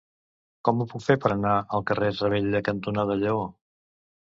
Com ho puc fer per anar al carrer Ravella cantonada Lleó?